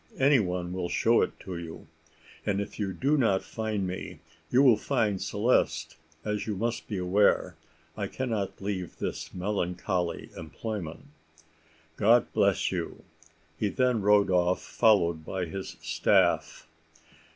Any one will show it to you; and if you do not find me you will find Celeste, as you must be aware I cannot leave this melancholy employment. God bless you!" He then rode off followed by his staff.